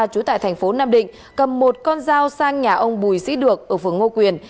trú tại tp nam định cầm một con dao sang nhà ông bùi sĩ được ở phường ngo quyền